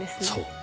そう。